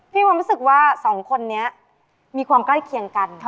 ความรู้สึกว่าสองคนนี้มีความใกล้เคียงกัน